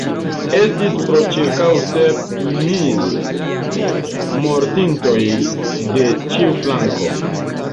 Estis po ĉirkaŭ sep mil mortintoj de ĉiu flanko.